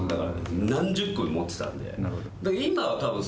何十組持ってたんで。